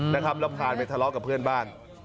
แล้วผ่านไปทะเลาะกับเพื่อนบ้าน